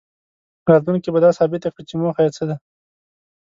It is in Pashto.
راتلونکې به دا ثابته کړي چې موخه یې څه ده.